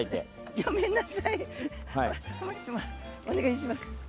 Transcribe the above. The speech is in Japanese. お願いします。